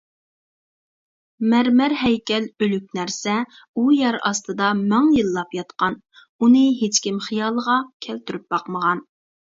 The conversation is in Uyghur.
مەرمەر ھەيكەل ئۆلۈك نەرسە، ئۇ يەر ئاستىدا مىڭ يىللاپ ياتقان، ئۇنى ھېچكىم خىيالىغا كەلتۈرۈپ باقمىغان.